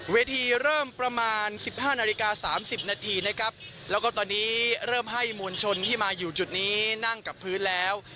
เริ่มประมาณ๑๕นาฬิกา๓๐นาทีนะครับแล้วก็ตอนนี้เริ่มให้มวลชนที่มาอยู่จุดนี้นั่งกับพื้นแล้ว